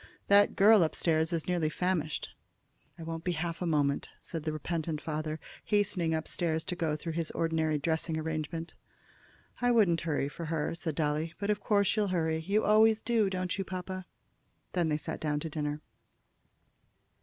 "That girl up stairs is nearly famished." "I won't be half a moment," said the repentant father, hastening up stairs to go through his ordinary dressing arrangement. "I wouldn't hurry for her," said Dolly; "but of course you'll hurry. You always do, don't you, papa?" Then they sat down to dinner.